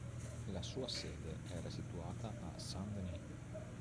La sua sede era situata a Saint-Denis.